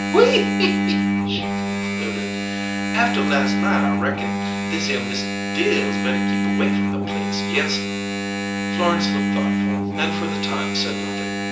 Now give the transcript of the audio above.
"Whee!" she concluded. "After las' night, I reckon thishere Mista Dills better keep away from the place yes'm!" Florence looked thoughtful, and for the time said nothing.